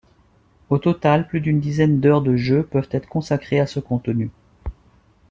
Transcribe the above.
Au total, plus d'une dizaine d'heures de jeu peuvent être consacrées à ce contenu.